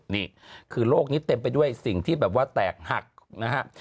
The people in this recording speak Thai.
นี่คือโลกนี้เต็มไปด้วยสิ่งที่แบบว่าแตกหักนะฮะ